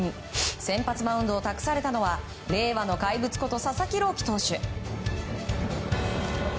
先発マウンドを託されたのは令和の怪物こと佐々木朗希投手。